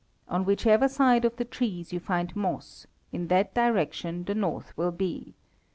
On whichever side of the trees you find moss, in that direction the north will be.